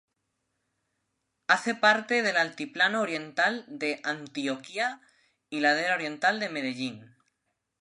Hace parte del altiplano oriental de Antioquia y ladera oriental de Medellín.